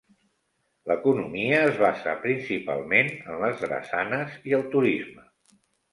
L'economia es basa principalment en les drassanes i el turisme.